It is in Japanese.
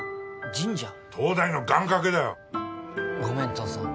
東大の願掛けだよごめん父さん